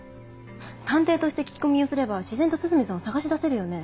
探偵として聞き込みをすれば自然と涼見さんを捜し出せるよね？